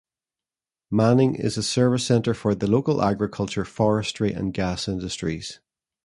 Manning is a service centre for the local agriculture, forestry and gas industries.